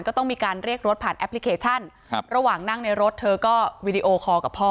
ก็ต้องมีการเรียกรถผ่านแอปพลิเคชันครับระหว่างนั่งในรถเธอก็วีดีโอคอลกับพ่อ